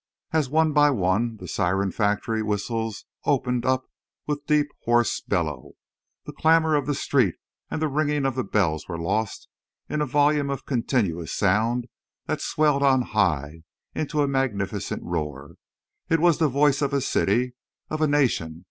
As one by one the siren factory whistles opened up with deep, hoarse bellow, the clamor of the street and the ringing of the bells were lost in a volume of continuous sound that swelled on high into a magnificent roar. It was the voice of a city—of a nation.